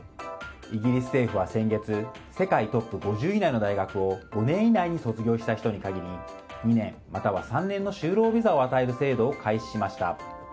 イギリス政府は先月世界トップ５０位以内の大学を５年以内に卒業した人に限り２年、または３年の就労ビザを与える制度を開始しました。